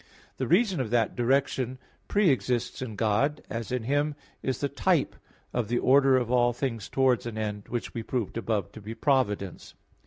The reason of that direction pre exists in God; as in Him is the type of the order of all things towards an end, which we proved above to be providence.